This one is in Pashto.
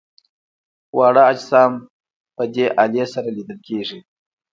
واړه اجسام په دې الې سره لیدل کیږي.